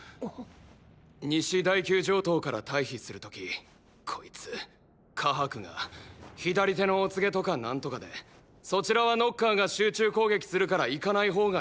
西第９城塔から退避する時こいつカハクが左手のお告げとか何とかで「そちらはノッカーが集中攻撃するから行かない方がいい」って言いだして！